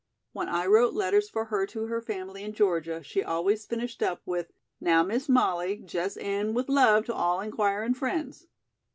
When I wrote letters for her to her family in Georgia, she always finished up with 'Now, Miss Molly, jes' end with love to all inquirin' friends.'"